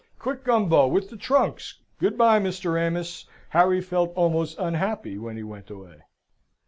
"Quick, Gumbo, with the trunks! Good bye, Mr. Amos!" Harry felt almost unhappy when he went away.